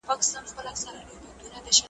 مګر تا له خلکو نه دي اورېدلي؟ `